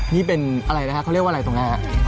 นี่เป็นอะไรนะฮะเขาเรียกว่าอะไรตรงไหนฮะ